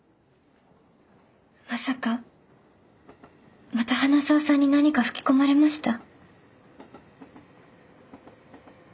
まさかまた花澤さんに何か吹き込まれました？